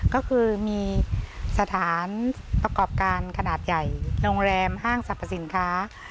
ก็คือมีสถานประกอบการขนาดใหญ่โรงแรมห้างสรรพสินค้า